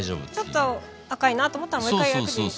ちょっと赤いなと思ったらもう一回焼けばいいのか。